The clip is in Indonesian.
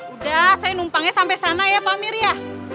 udah saya numpangnya sampai sana ya pak amir ya